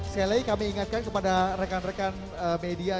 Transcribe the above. selly kami ingatkan kepada rekan rekan media